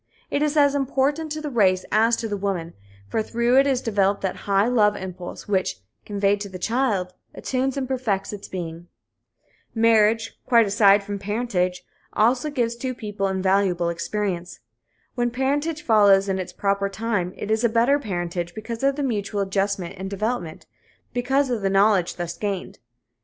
It is as important to the race as to the woman, for through it is developed that high love impulse which, conveyed to the child, attunes and perfects its being. Marriage, quite aside from parentage, also gives two people invaluable experience. When parentage follows in its proper time, it is a better parentage because of the mutual adjustment and development because of the knowledge thus gained.